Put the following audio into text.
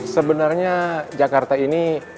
sebenarnya jakarta ini